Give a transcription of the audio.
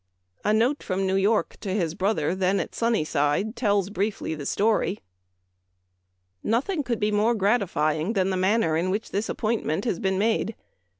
A note from New York to his brother, then at Sunnyside, tells briefly the story :" Nothing could be more gratifying than the manner in which this appointment has been made.